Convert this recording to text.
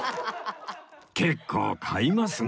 結構買いますね